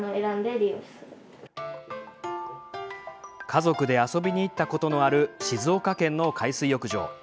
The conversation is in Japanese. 家族で遊びに行ったことのある静岡県の海水浴場。